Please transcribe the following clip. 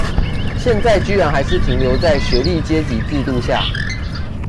現在居然還是停留在學歷階級制度下？